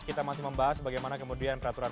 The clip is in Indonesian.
kita masih membahas bagaimana kemudian peraturan